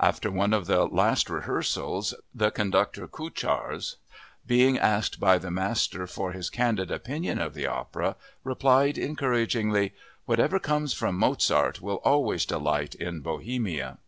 After one of the last rehearsals the conductor, Kucharz, being asked by the master for his candid opinion of the opera, replied encouragingly: "Whatever comes from Mozart will always delight in Bohemia."